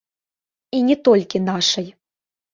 І не толькі нашай.